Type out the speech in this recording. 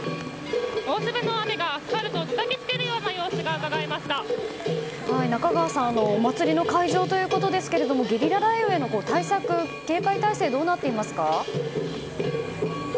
大粒の雨がたたきつける様子が中川さんお祭りの会場ということですがゲリラ雷雨への対策、警戒態勢はどうなっていますか？